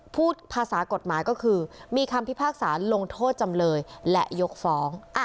พูดภาษากฎหมายก็คือมีคำพิพากษาลงโทษจำเลยและยกฟ้อง